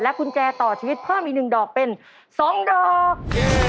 กุญแจต่อชีวิตเพิ่มอีก๑ดอกเป็น๒ดอก